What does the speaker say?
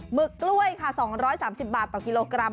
หึกกล้วยค่ะ๒๓๐บาทต่อกิโลกรัม